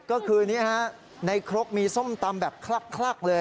ก็คือในครกมีส้มตำแบบคลักเลย